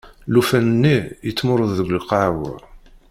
Llufan-nni yettmurud deg lqaɛa.